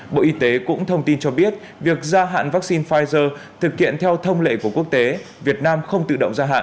bộ y tế cũng thông tin cho biết việc gia hạn vaccine pfizer thực hiện theo thông lệ của quốc tế việt nam không tự động gia hạn